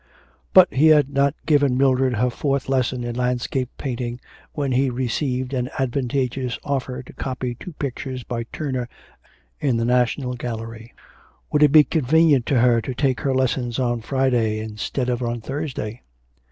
But he had not given Mildred her fourth lesson in landscape painting when he received an advantageous offer to copy two pictures by Turner in the National Gallery. Would it be convenient to her to take her lesson on Friday instead of on Thursday?